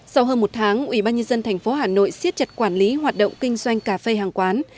sau hơn một tháng ủy ban nhân dân tp hà nội siết chặt quản lý hoạt động kinh doanh cà phê hàng quán